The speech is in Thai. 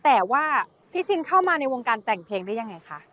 แต่ว่าพี่ชินเข้ามาในวงการแต่งเพลงได้ยังไงคะ